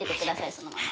そのまま。